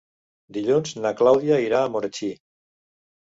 Dilluns na Clàudia irà a Marratxí.